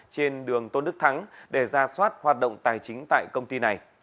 trên đường tôn đức thắng để ra soát hoạt động tài chính tại công ty này